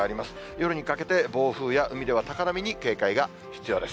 夜にかけて、暴風や、海では高波に警戒が必要です。